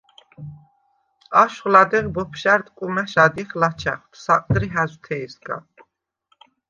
აშხვ ლადეღ ბოფშა̈რდ კუმა̈შ ადჲეხ ლაჩა̈ხვდ საყდრი ჰა̈ზვთე̄სგა.